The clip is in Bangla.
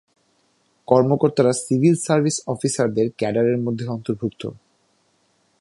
কর্মকর্তারা সিভিল সার্ভিস অফিসারদের ক্যাডারের মধ্যে অন্তর্ভুক্ত।